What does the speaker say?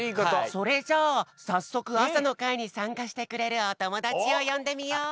それじゃあさっそくあさのかいにさんかしてくれるおともだちをよんでみよう！